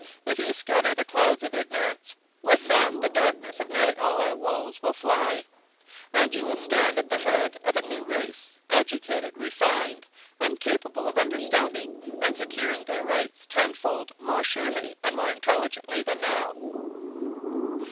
If you scatter the clouds of ignorance, with them the darkness of nearly all our woes will fly, and you will stand at the head of a new race, educated, refined, and capable of understanding and securing their rights ten fold more surely and more intelligently than now."